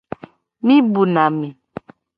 Mi bu na me.